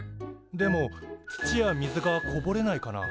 でも土や水がこぼれないかな？